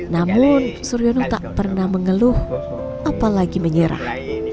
namun suryono tak pernah mengeluh apalagi menyerah